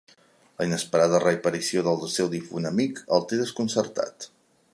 La inesperada reaparició del seu difunt amic el té desconcertat.